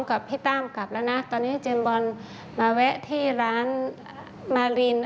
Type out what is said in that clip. คุณแก่งเอริน